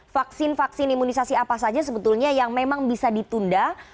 vaksin vaksin imunisasi apa saja sebetulnya yang memang bisa ditunda